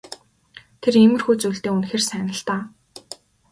Тэр иймэрхүү зүйлдээ үнэхээр сайн л даа.